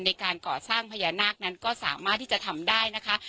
ในการก่อสร้างพญานาคนั้นก็สามารถที่จะทำได้นะคะ